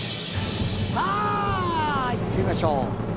さあいってみましょう。